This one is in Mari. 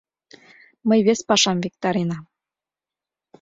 — Мый вес пашам виктаренам.